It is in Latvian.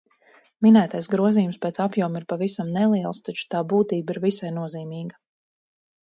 Minētais grozījums pēc apjoma ir pavisam neliels, taču tā būtība ir visai nozīmīga.